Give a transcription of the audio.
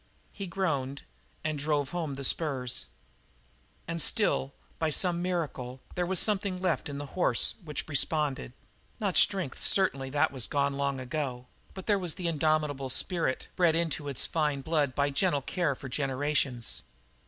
He groaned and drove home the spurs. And still, by some miracle, there was something left in the horse which responded; not strength, certainly that was gone long ago, but there was an indomitable spirit bred into it with its fine blood by gentle care for generations.